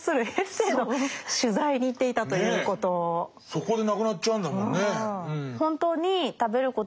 そこで亡くなっちゃうんだもんね。